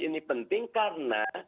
ini penting karena